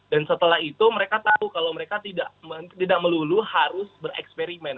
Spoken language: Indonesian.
dan setelah itu mereka tahu kalau mereka tidak melulu harus bereksperimen